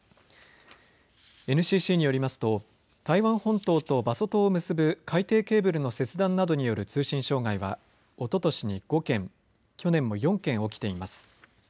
ＮＣＣによりますと台湾本島と馬祖島を結ぶ海底ケーブルの切断などによる通信障害はおととしに５件、去年も４件起きています。